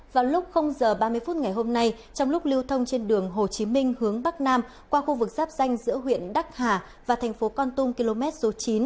vào lúc giờ ba mươi phút ngày hôm nay trong lúc lưu thông trên đường hồ chí minh hướng bắc nam qua khu vực giáp danh giữa huyện đắc hà và thành phố con tum km chín